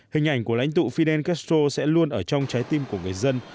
hình ảnh của lãnh tụ fidel castro sẽ luôn ở trong trái tim của người dân